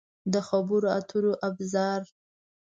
د خبرو اترو ابزار